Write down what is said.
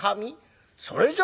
『それじゃ